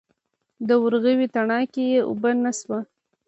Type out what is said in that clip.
د ورغوي تڼاکه یې اوبه نه شوه.